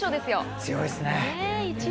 強いですね。